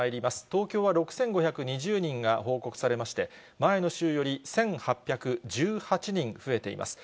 東京は６５２０人が報告されまして、前の週より１８１８人増えています。